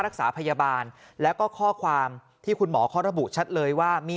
รักษาพยาบาลแล้วก็ข้อความที่คุณหมอเขาระบุชัดเลยว่ามี